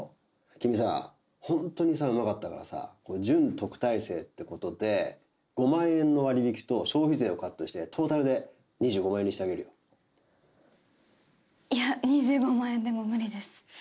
君さホントにさうまかったからさこれ準特待生ってことで５万円の割引と消費税をカットしてトータルで２５万円にしてあげるよいや２５万円でも無理です